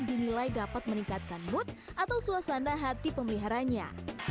dinilai dapat meningkatkan mood atau suasana hati pemeliharanya